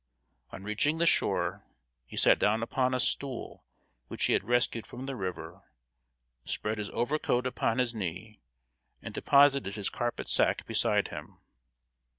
On reaching the shore, he sat down upon a stool, which he had rescued from the river, spread his overcoat upon his knee, and deposited his carpet sack beside him.